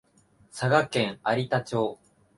佐賀県有田町